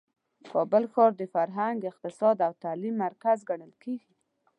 کابل ښار د فرهنګ، اقتصاد او تعلیم مرکز ګڼل کیږي.